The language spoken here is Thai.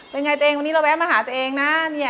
เป็นไงตัวเองวันนี้เราแวะมาหาตัวเองนะ